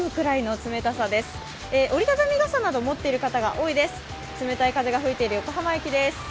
冷たい風が吹いている横浜駅です。